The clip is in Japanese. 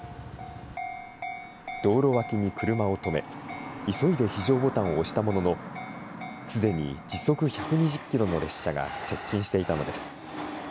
道路脇に車を止め、急いで非常ボタンを押したものの、すでに時速１２０キロの列車が接近していたのです。